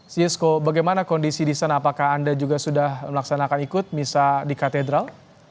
sisko bagaimana kondisi di sana apakah anda juga sudah melaksanakan ikut misa di katedral